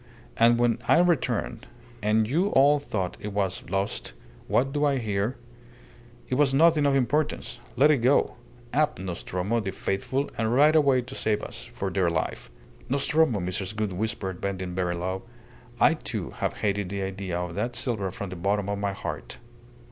And when I returned, and you all thought it was lost, what do I hear? 'It was nothing of importance. Let it go. Up, Nostromo, the faithful, and ride away to save us, for dear life!'" "Nostromo!" Mrs. Gould whispered, bending very low. "I, too, have hated the idea of that silver from the bottom of my heart."